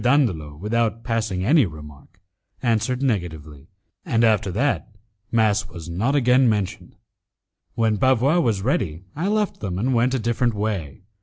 Dandolo, without passing any remark, answered negatively, and after that, mass was not again mentioned. When Bavois was ready, I left them and went a different way.